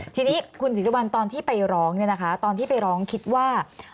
ทีนี้คุณศรีสุวรรณตอนที่ไปร้องเนี่ยนะคะตอนที่ไปร้องคิดว่า